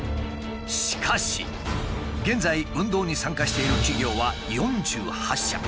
しかし現在運動に参加している企業は４８社。